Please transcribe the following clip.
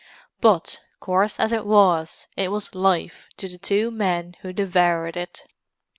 But, coarse as it was, it was life to the two men who devoured it.